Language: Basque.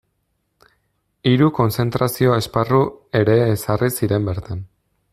Hiru kontzentrazio-esparru ere ezarri ziren bertan.